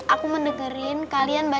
aku mendekerin kalian